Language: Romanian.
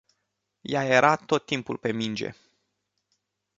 Ea era tot timpul pe minge.